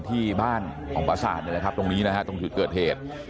ที่บ้านของประสาทตรงนี้นะฮะตรงจุดเกิดเหตุ